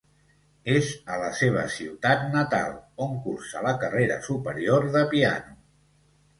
És a la seva ciutat natal on cursa la Carrera Superior de piano.